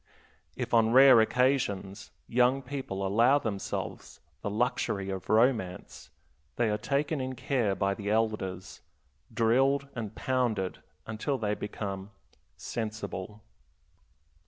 If, on rare occasions, young people allow themselves the luxury of romance, they are taken in care by the elders, drilled and pounded until they become "sensible."